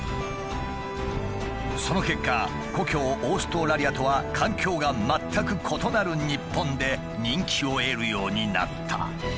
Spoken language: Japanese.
その結果故郷オーストラリアとは環境が全く異なる日本で人気を得るようになった。